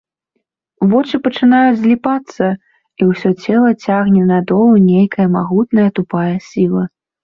Вочы пачынаюць зліпацца, і ўсё цела цягне да долу нейкая магутная тупая сіла.